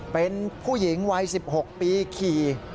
เป็นผู้หญิงวัย๑๖ปีขี่